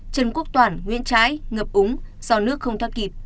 trần quốc toản nguyễn trái ngập úng do nước không thoát kịp